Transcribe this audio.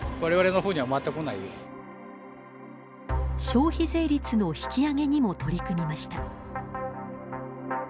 消費税率の引き上げにも取り組みました。